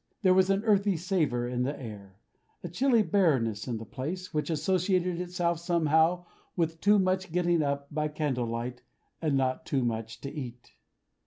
There was an earthy savor in the air, a chilly bareness in the place, which associated itself somehow with too much getting up by candle light, and not too much to eat.